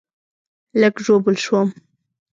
لږ ژوبل شوم